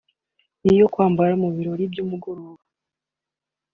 n’iyo kwambara mu birori by’umugoroba